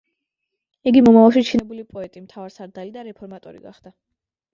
იგი მომავალში ჩინებული პოეტი, მთავარსარდალი და რეფორმატორი გახდა.